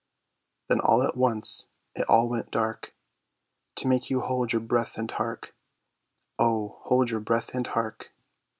Then all at once, it all went Dark; To make you hold your breath and hark, Oh, hold your breath and hark!